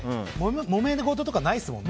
もめごととかないですもんね。